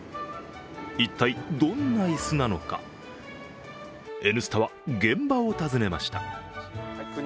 一体どんな椅子なのか「Ｎスタ」は現場を訪ねました。